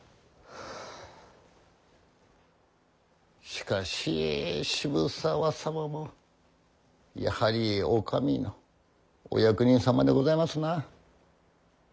しかし渋沢様もやはりお上のお役人様でございますな。